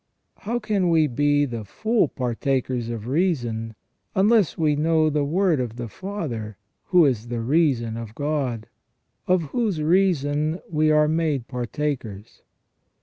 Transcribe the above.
How can we be the full partakers of reason, unless we know the Word of the Father who is the reason of God, of whose reason we are made partakers